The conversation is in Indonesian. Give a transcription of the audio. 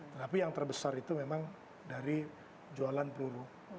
tetapi yang terbesar itu memang dari jualan peluru